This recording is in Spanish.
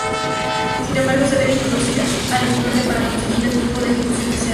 Sin embargo, se debe introducir algún orden para conseguir el tiempo de ejecución deseado.